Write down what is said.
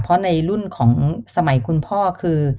เพราะในรุ่นของสมัยคุณพ่อคือ